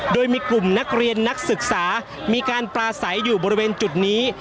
โดยมีกลุ่มนักเรียนนักศึกษามีการปลาใสอยู่บริเวณจุดนี้